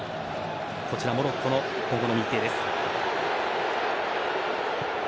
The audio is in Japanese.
モロッコの今後の日程です。